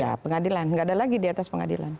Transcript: ya pengadilan nggak ada lagi di atas pengadilan